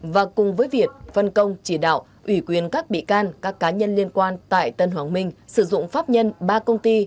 và cùng với việt phân công chỉ đạo ủy quyền các bị can các cá nhân liên quan tại tân hoàng minh sử dụng pháp nhân ba công ty